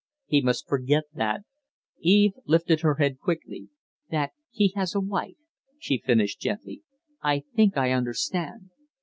He must forget that " Eve lifted her head quickly. " that he has a wife," she finished, gently. "I think I understand."